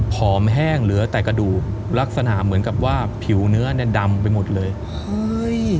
ผอมแห้งเหลือแต่กระดูกลักษณะเหมือนกับว่าผิวเนื้อเนี่ยดำไปหมดเลยเฮ้ย